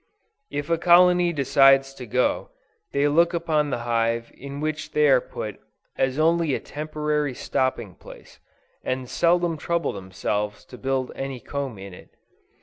If a colony decides to go, they look upon the hive in which they are put as only a temporary stopping place, and seldom trouble themselves to build any comb in it.